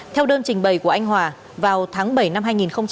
theo đơn trình bày của anh hòa vào tháng bảy năm hai nghìn một mươi chín